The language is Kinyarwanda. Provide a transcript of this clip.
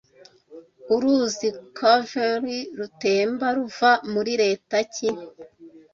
Uruzi Cauvery rutemba ruva muri leta ki